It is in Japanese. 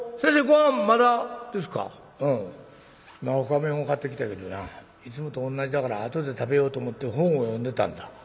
まあほか弁を買ってきたけどないつもと同じだから後で食べようと思って本を読んでたんだ」。